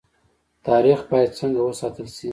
تاریخ باید څنګه وساتل شي؟